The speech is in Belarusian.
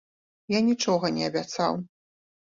Я нічога не абяцаў.